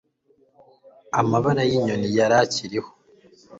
amababa y'inyoni yari akiriho